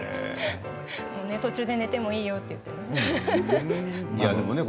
途中で寝てもいいよって言ってね。